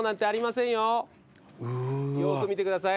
よく見てください